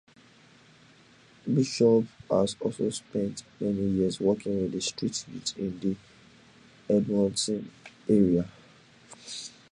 Bishop has also spent many years working with street youth in the Edmonton Area.